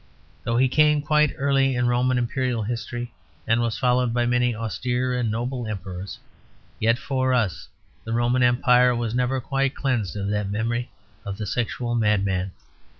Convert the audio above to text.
Though he came quite early in Roman Imperial history and was followed by many austere and noble emperors, yet for us the Roman Empire was never quite cleansed of that memory of the sexual madman.